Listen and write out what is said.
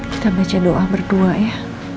kita baca doa berdua ya